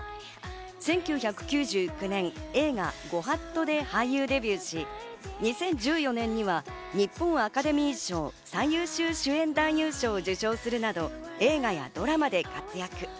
１９９９年、映画『御法度』で俳優デビューし、２０１４年には日本アカデミー賞・最優秀主演男優賞を受賞するなど、映画やドラマで活躍。